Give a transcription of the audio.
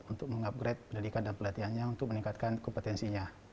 untuk mengupgrade pendidikan dan pelatihannya untuk meningkatkan kompetensinya